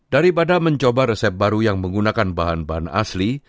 daripada mencoba resep baru yang menggunakan bahan bahan asli